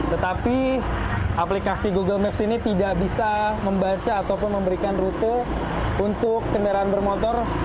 tetapi aplikasi google maps ini tidak bisa membaca ataupun memberikan rute untuk kendaraan bermotor